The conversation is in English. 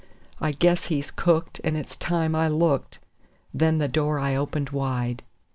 I guess he's cooked, and it's time I looked";. .. then the door I opened wide.